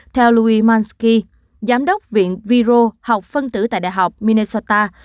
theo louis monski giám đốc viện viro học phân tử tại đại học minnesota